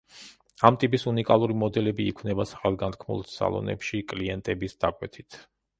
ამ ტიპის უნიკალური მოდელები იქმნება სახელგანთქმულ სალონებში კლიენტების დაკვეთით.